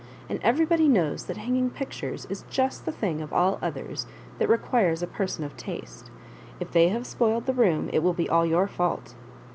And everybody knows that hanging pictores is just the thing of all others that requires a per son of taste. If they have spoiled the room, it will be all your fault."